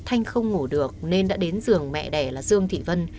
thanh không ngủ được nên đã đến dường mẹ đẻ là dương thị vân